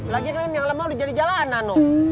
lagian kan yang lama udah jadi jalanan